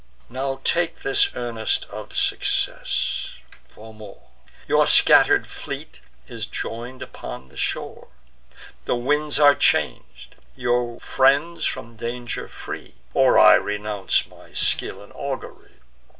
Now take this earnest of success, for more: Your scatter'd fleet is join'd upon the shore; The winds are chang'd, your friends from danger free; Or I renounce my skill in augury.